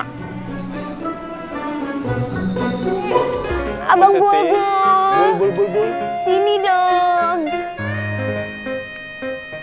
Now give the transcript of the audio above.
sampai siti sini dong